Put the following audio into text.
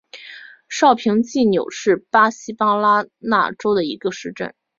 绍平济纽是巴西巴拉那州的一个市镇。